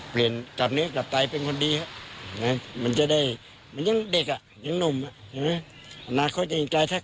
เปลี่ยนกลับเนื้อกลับตายเป็นคนดีค่ะ